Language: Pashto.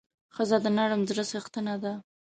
ښځه د نرم زړه څښتنه ده.